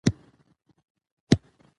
د نجونو تعلیم د تاوتریخوالي مخه نیسي.